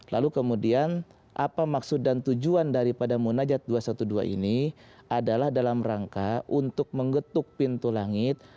lalu kemudian apa maksud dan tujuan daripada munajat dua ratus dua belas ini adalah dalam rangka untuk mengetuk pintu langit